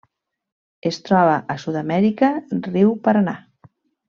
Es troba a Sud-amèrica: riu Paranà.